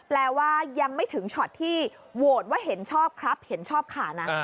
แปลว่ายังไม่ถึงช็อตที่โหวตว่าเห็นชอบครับเห็นชอบขานะ